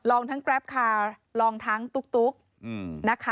ลองทั้งกราฟคาร์ลองทั้งตุ๊ก